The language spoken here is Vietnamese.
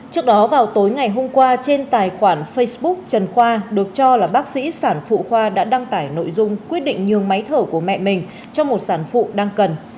trước đó vào tối ngày hôm qua trên tài khoản facebook trần khoa được cho là bác sĩ sản phụ khoa đã đăng tải nội dung quyết định nhường máy thở của mẹ mình cho một sản phụ đang cần